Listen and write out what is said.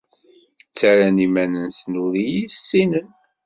Ttarran iman-nsen ur iyi-ssinen.